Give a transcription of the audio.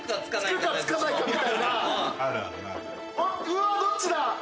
うわどっちだ？